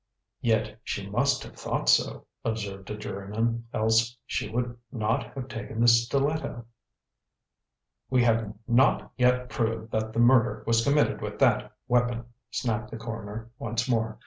"Yet she must have thought so," observed a juryman, "else she would not have taken the stiletto." "We have not yet proved that the murder was committed with that weapon," snapped the coroner once more.